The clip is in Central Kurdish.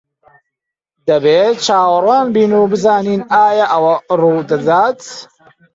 دەبێت چاوەڕوان بین و بزانین ئایا ئەوە ڕوودەدات.